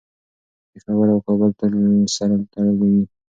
پېښور او کابل تل سره تړلي دي.